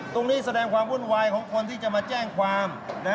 แสดงความวุ่นวายของคนที่จะมาแจ้งความ